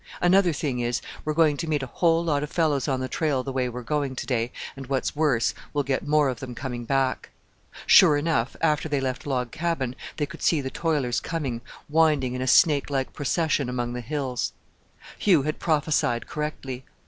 Another thing is, we're going to meet a whole lot of fellows on the trail the way we're going to day; and, what's worse, we'll get more of them coming back." Sure enough, after they left Log Cabin, they could see the toilers coming, winding in a snake like procession among the hills. Hugh had prophesied correctly.